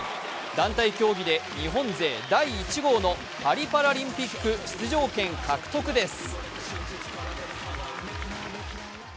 団体競技で日本勢第１号のパリパラリンピック出場権獲得です。